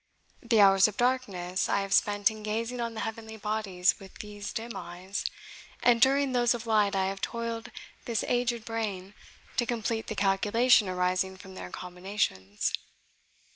The hours of darkness I have spent in gazing on the heavenly bodies with these dim eyes, and during those of light I have toiled this aged brain to complete the calculation arising from their combinations.